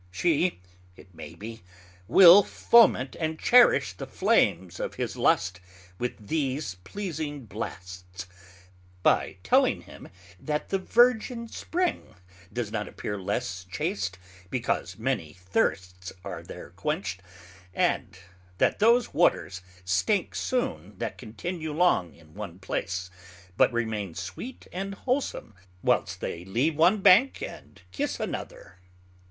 She, it may be, will foment and cherish the flames of his Lust with these pleasing Blasts, by telling him that the Virgin Spring does not appear less chaste because many thirsts are there quenched; and that those Waters stink soon that continue long in one place, but remain sweet and wholsome whilest they leave one bank and kiss another.